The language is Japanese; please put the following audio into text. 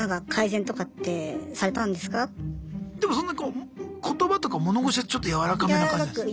でもそんなこう言葉とか物腰はちょっとやわらかめな感じですか？